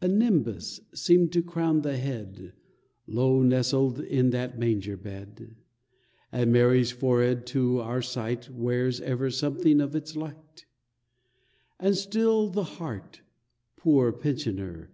A nimbus seemed to crown the head Low nestled in that manger bed, And Mary's forehead, to our sight, Wears ever something of its light ; And still the heart — poor pensioner